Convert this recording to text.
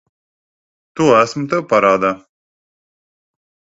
To esmu tev parādā.